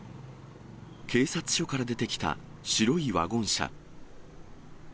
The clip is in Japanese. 警察署から出てきた白いワゴン車。